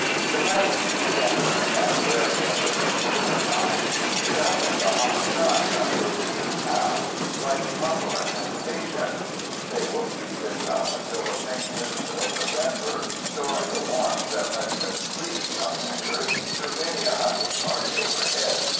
The rabbits, scampering and wary in the new clover time, sit out in the hot sun a good deal now, like convalescent patients; they will keep this up until the faint noons of November, storing the warmth that lets them sleep, come winter, through many a hunting party overhead.